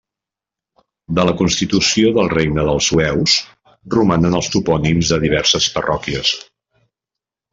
De la constitució del regne dels Sueus romanen els topònims de diverses parròquies.